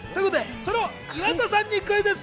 岩田さんにクイズッス。